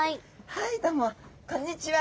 はいどうもこんにちは。